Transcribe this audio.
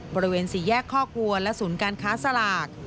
บริเวณสี่แยกคอกวัวและศูนย์การค้าสลาก